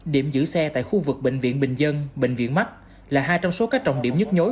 điểm giữ xe tại khu vực bệnh viện bình dân bệnh viện mắt là hai trong số các trọng điểm nhất nhối